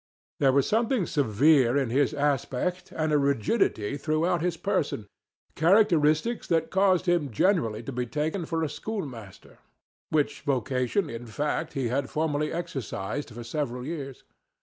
There was something severe in his aspect and a rigidity throughout his person—characteristics that caused him generally to be taken for a schoolmaster; which vocation, in fact, he had formerly exercised for several years.